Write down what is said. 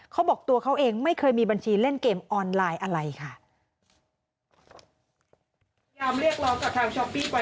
เขาบอกตัวเขาเองไม่เคยมีบัญชีเล่นเกมออนไลน์อะไรค่ะ